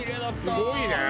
すごいね。